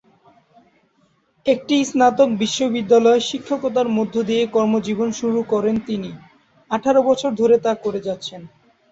একটি স্নাতক বিশ্ববিদ্যালয়ে শিক্ষকতার মধ্য দিয়ে কর্মজীবন শুরু করে তিনি আঠারো বছর ধরে তা করে যাচ্ছেন।